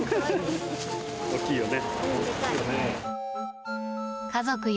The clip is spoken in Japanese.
大きいよね。